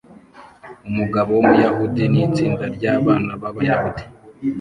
Umugabo wumuyahudi nitsinda ryabana babayahudi